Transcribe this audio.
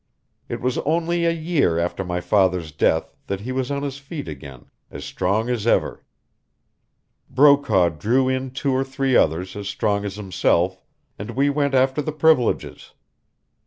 It was only a year after my father's death that he was on his feet again, as strong as ever. Brokaw drew in two or three others as strong as himself, and we went after the privileges.